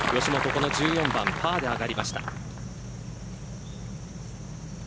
この１４番パーで上がりました。